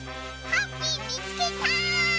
ハッピーみつけた！